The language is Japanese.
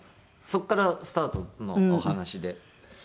そこからスタートのお話で。